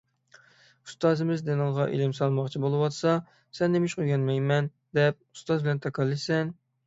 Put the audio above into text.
ئۇستازىمىز دىلىڭغا ئىلىم سالماقچى بولۇۋاتسا، سەن نېمىشقا ئۆگەنمەيمەن دەپ، ئۇستاز بىلەن تاكاللىشىسەن؟